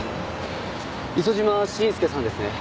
磯島信介さんですね？